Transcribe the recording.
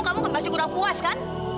kamu masih kurang puas kan